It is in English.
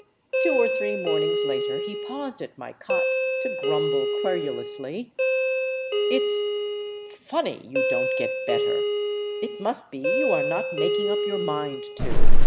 Two or three mornings later he paused at my cot to grumble querulously: " It 's funny you don't get better. It must be you are not making up your mind to.